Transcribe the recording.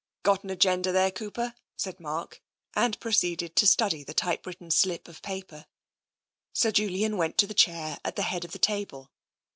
"Got an agenda there, Cooper?" said Mark, and proceeded to study the typewritten slip of paper. 22 TENSION Sir Julian went to the chair at the head of the table.